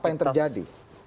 apa yang terjadi